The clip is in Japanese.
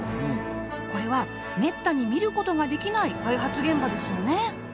これはめったに見ることができない開発現場ですよね。